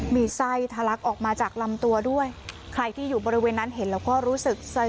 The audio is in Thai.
มีไส้ทะลักออกมาจากลำตัวด้วยใครที่อยู่บริเวณนั้นเห็นแล้วก็รู้สึก